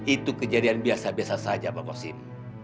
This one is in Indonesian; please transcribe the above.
itu kejadian biasa biasa saja pak kosin